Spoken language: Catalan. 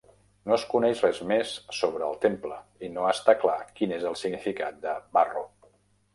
No es coneix res més sobre el temple, i no està clar quin és el significat de "Varro".